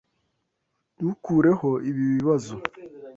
Ntukureho ibi bibazo.